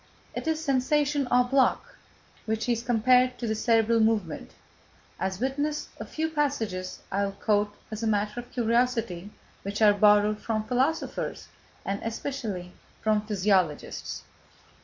It is sensation en bloc which is compared to the cerebral movement, as witness a few passages I will quote as a matter of curiosity, which are borrowed from philosophers and, especially, from physiologists.